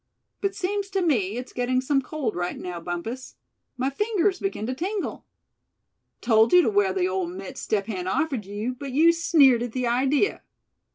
But seems to me it's getting some cold right now, Bumpus. My fingers begin to tingle." "Told you to wear the old mitts Step Hen offered you, but you sneered at the idea.